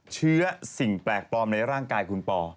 เชื้อสิ่งแปลกปลอมในร่างกายคุณปอ